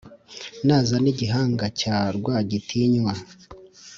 nazana igihanga cya rwagitinywa